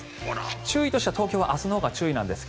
注意としては東京は明日のほうが注意なんですが。